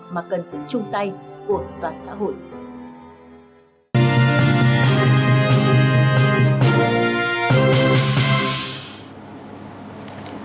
mà cần sự chung tay của toàn xã hội